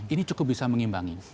ini cukup bisa mengimbangi